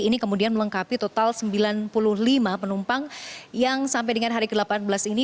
ini kemudian melengkapi total sembilan puluh lima penumpang yang sampai dengan hari ke delapan belas ini